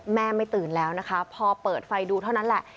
ไม่ตื่นแล้วนะคะพอเปิดไฟดูเท่านั้นแหละ